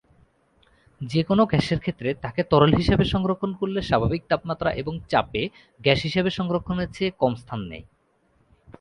যে কোনও গ্যাসের ক্ষেত্রে তাকে তরল হিসাবে সংরক্ষণ করলে স্বাভাবিক তাপমাত্রা এবং চাপে গ্যাস হিসাবে সংরক্ষণের চেয়ে কম স্থান নেয়।